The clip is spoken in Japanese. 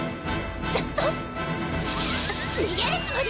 残像⁉逃げるつもり？